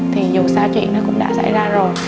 thì dù sai chuyện nó cũng đã xảy ra rồi